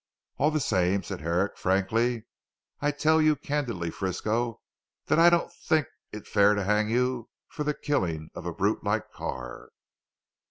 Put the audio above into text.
All the same," said Herrick frankly, "I tell you candidly Frisco, that I don't think it fair to hang you for the killing of a brute like Carr."